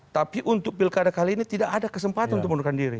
tapi untuk pilkada kali ini tidak ada kesempatan untuk mengundurkan diri